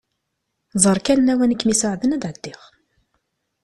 Ẓer kan lawan i akem-isuɛden ad d-ɛeddiɣ.